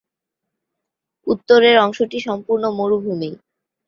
উত্তরের অংশটি সম্পূর্ণ মরুভূমি।